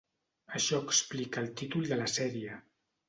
Això explica el títol de la sèrie.